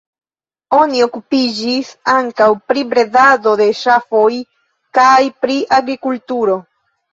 Oni okupiĝis ankaŭ pri bredado de ŝafoj kaj pri agrikulturo.